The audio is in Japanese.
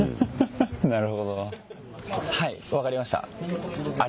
はい分かりました。